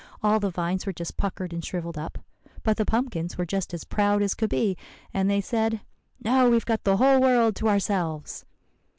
All the vines were just puckered and shrivelled up. But the pumpkins were just as proud as could be; and they said, 'Now we've got the whole world to ourselves.